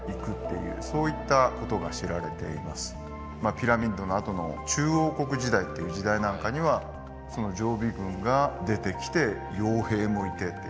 ピラミッドのあとの中王国時代っていう時代なんかにはその常備軍が出てきて傭兵もいてってそういう形になっていきます。